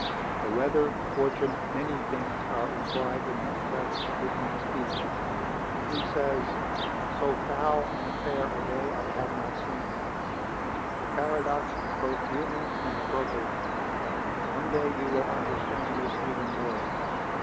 The weather, fortune, many things are implied in Macbeth's opening speech. He says, 'So foul and fair a day I have not seen.' The paradox is both human and appropriate. One day you will understand this even more.